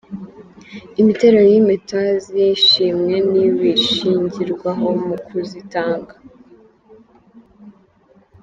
Imiterere y’impeta z’ishimwe n’ibishingirwaho mu kuzitanga .